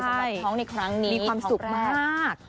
สำหรับท้องในครั้งนี้มีความสุขมาก